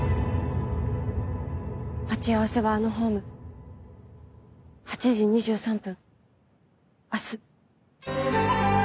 ☎待ち合わせはあのホーム☎８時２３分